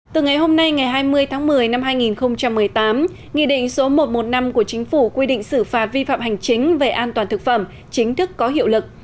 từ ngày hôm nay ngày hai mươi tháng một mươi năm hai nghìn một mươi tám nghị định số một trăm một mươi năm của chính phủ quy định xử phạt vi phạm hành chính về an toàn thực phẩm chính thức có hiệu lực